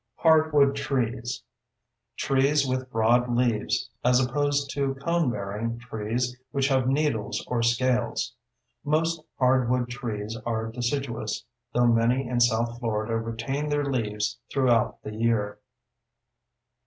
HARDWOOD TREES: Trees with broad leaves (as opposed to conebearing trees, which have needles or scales). Most hardwood trees are deciduous, though many in south Florida retain their leaves throughout the year.